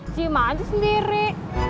si man sendiri